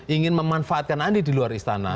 ingin memanfaatkan andi di luar istana